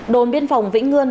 đồn biên phòng vĩnh ngươn